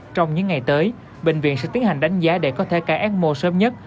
trong những ngày tới bệnh viện sẽ tiến hành đánh giá để có thể cài ecmo sớm nhất